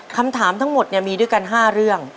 คำถามทั้งหมดมีด้วยกัน๕เรื่อง